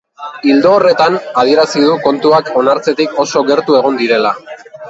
Ildo horretan, adierazi du kontuak onartzetik oso gertu egon direla.